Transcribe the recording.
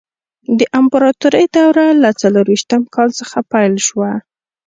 د امپراتورۍ دوره له څلور ویشتم کال څخه پیل شوه.